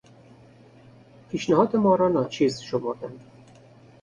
پیشنهاد ما را ناچیز شمردند.